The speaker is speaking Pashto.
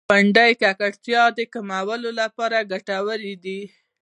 • غونډۍ د ککړتیا کمولو لپاره ګټورې دي.